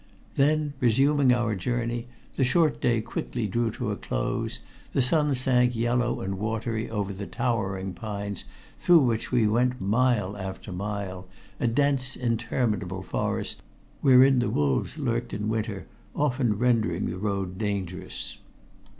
Then, resuming our journey, the short day quickly drew to a close, the sun sank yellow and watery over the towering pines through which we went mile after mile, a dense, interminable forest wherein the wolves lurked in winter, often rendering the road dangerous.